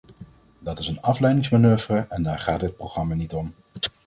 Dat is een afleidingsmanoeuvre en daar gaat dit programma niet om.